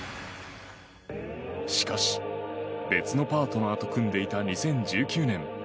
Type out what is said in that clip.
しかし、別のパートナーと組んでいた２０１９年。